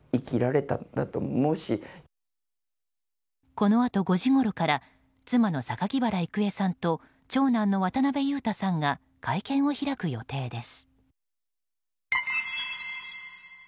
このあと５時ごろから妻の榊原郁恵さんと長男の渡辺裕太さんが会見を開く予定です。